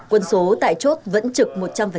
quân số tại chốt vẫn trực một trăm linh